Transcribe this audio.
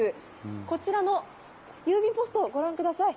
こちらの郵便ポストをご覧ください。